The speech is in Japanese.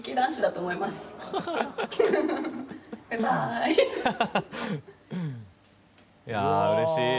いやうれしい。